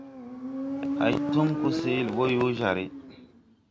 Hay túm ko sɛɛle bɔ yo jar no.